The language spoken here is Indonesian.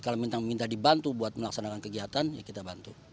kalau minta dibantu buat melaksanakan kegiatan ya kita bantu